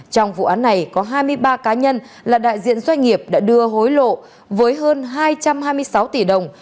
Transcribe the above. trong vụ án này có hai mươi ba cá nhân là đại diện doanh nghiệp đã đưa hối lộ với hơn hai trăm hai mươi sáu tỷ đồng